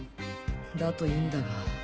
だといいんだが。